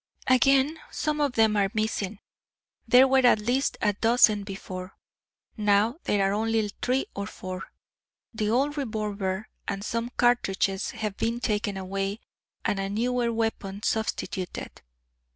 "Again, some of them are missing; there were at least a dozen before, now there are only three or four. The old revolver and some cartridges have been taken away, and a newer weapon substituted."